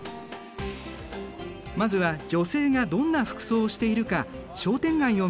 まずは女性がどんな服装をしているか商店街を見てみよう。